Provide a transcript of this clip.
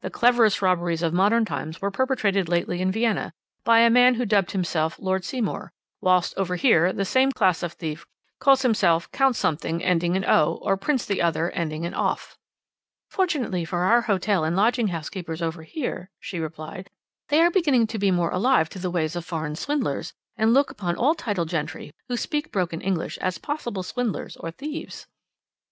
"The cleverest robberies of modern times were perpetrated lately in Vienna by a man who dubbed himself Lord Seymour; whilst over here the same class of thief calls himself Count Something ending in 'o,' or Prince the other, ending in 'off.'" "Fortunately for our hotel and lodging house keepers over here," she replied, "they are beginning to be more alive to the ways of foreign swindlers, and look upon all titled gentry who speak broken English as possible swindlers or thieves."